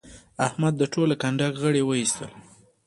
احمد د ټول کنډک غړي واېستل.